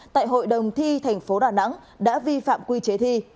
tại hội đồng thi tp hcm đã vi phạm quy chế thi